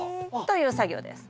という作業です。